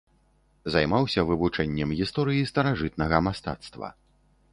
Займаўся вывучэннем гісторыі старажытнага мастацтва.